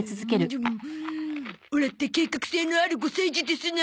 オラって計画性のある５歳児ですな。